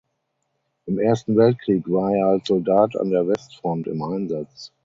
Im Ersten Weltkrieg war er als Soldat an der Westfront im Einsatz.